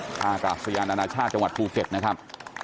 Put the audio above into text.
ภาครับสุยานอนาชาติจังหวัดภูเก็ตนะครับ